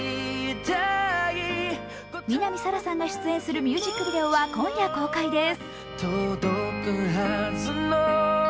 南沙良さんが出演するミュージックビデオは今夜公開です。